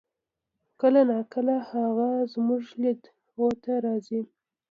کله نا کله هغه زمونږ لیدو ته راځي